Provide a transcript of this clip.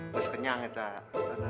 mas kenyang ya pak